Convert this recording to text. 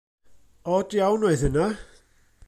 Od iawn oedd hynna.